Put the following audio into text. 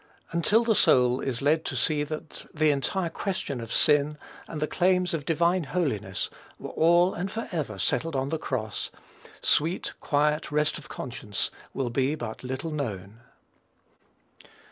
Until the soul is led to see that the entire question of sin and the claims of divine holiness were all and forever settled on the cross, sweet, quiet rest of conscience will be but little known.